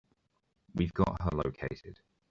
We've got her located.